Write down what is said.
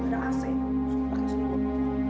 nanti gue pake selimut